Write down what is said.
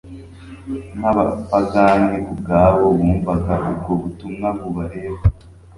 n'abapagani ubwabo bumvaga ubwo butumwa bubareba.